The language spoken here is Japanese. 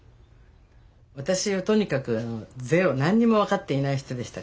私はとにかくゼロ何にも分かっていない人でしたから。